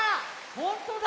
ほんとだ！